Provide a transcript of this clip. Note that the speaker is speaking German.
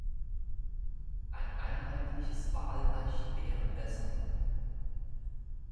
Ein einheitliches Wahlrecht wäre besser.